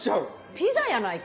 ピザやないか。